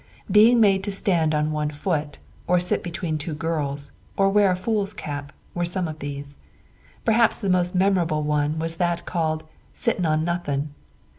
Being made to stand on one foot, or sit between two girls, or wear a fool's cap, were some of these. Perhaps the most memorable one was that called "sitting on nothing."